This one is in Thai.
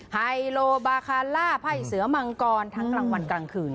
ไฮโลบาคาล่าไพ่เสือมังกรทั้งกลางวันกลางคืน